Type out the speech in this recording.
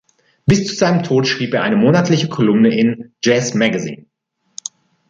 Bis zu seinem Tod schrieb er eine monatliche Kolumne in „Jazz Magazine“.